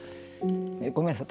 ごめんなさい。